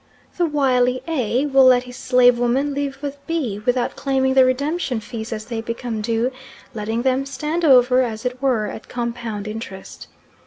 The wily A. will let his slave woman live with B. without claiming the redemption fees as they become due letting them stand over, as it were, at compound interest.